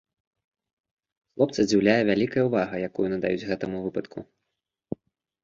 Хлопца здзіўляе вялікая ўвага, якую надаюць гэтаму выпадку.